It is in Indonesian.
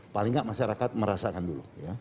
paling nggak masyarakat merasakan dulu